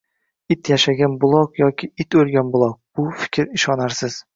. It yashagan buloq yoki it o‘lgan buloq. Bu fikr ishonarsiz.